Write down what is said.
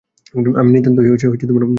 আমি নিতান্তই অচল।